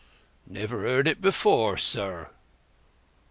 "Never heard it before, sir!"